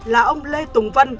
là ông lê tùng vân